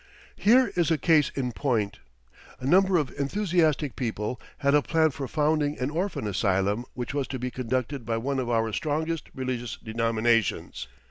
Here is a case in point: A number of enthusiastic people had a plan for founding an orphan asylum which was to be conducted by one of our strongest religious denominations.